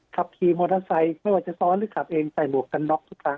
ขับขี่มอเตอร์ไซค์ไม่ว่าจะซ้อนหรือขับเองใส่หมวกกันน็อกทุกครั้ง